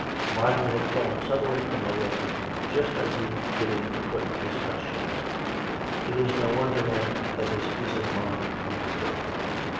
Marjorie had flown suddenly from tlie room just as he was beginning to put his questions. It is no wonder, then, that his peace of mind was gone.